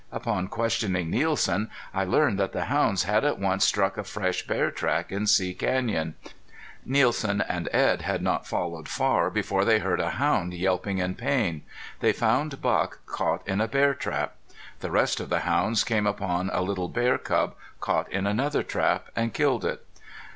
Upon questioning Nielsen I learned that the hounds had at once struck a fresh bear track in See Canyon. Nielsen and Edd had not followed far before they heard a hound yelping in pain. They found Buck caught in a bear trap. The rest of the hounds came upon a little bear cub, caught in another trap, and killed it.